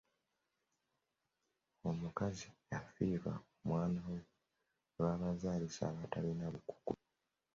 Omukazi yafiirwa omwana we olw'abazaalisa abatalina bukugu.